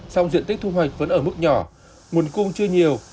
song diện tích thu hoạch vẫn ở mức nhỏ nguồn cung chưa nhiều